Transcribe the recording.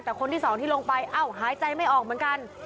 แต่คนที่สองที่ลงไปเอ้าหายใจไม่ออกเหมือนกัน